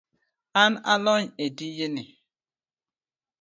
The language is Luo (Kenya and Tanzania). An alony e tijni